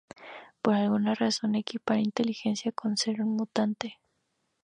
Por alguna razón, equipara inteligencia con ser un mutante.